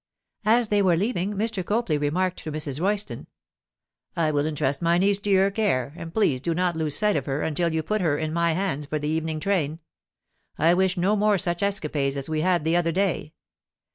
As they were leaving, Mr. Copley remarked to Mrs. Royston— 'I will entrust my niece to your care, and please do not lose sight of her until you put her in my hands for the evening train. I wish no more such escapades as we had the other day.